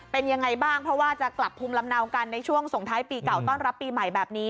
เป็นยังไงบ้างเพราะว่าจะกลับภูมิลำเนากันในช่วงส่งท้ายปีเก่าต้อนรับปีใหม่แบบนี้